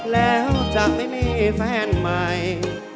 แล้วจะไม่มีแฟนใหม่